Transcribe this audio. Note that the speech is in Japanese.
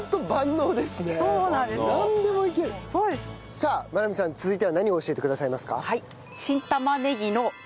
さあまなみさん続いては何を教えてくださいますか？